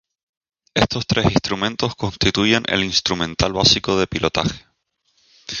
Estos tres instrumentos constituyen el instrumental básico de pilotaje.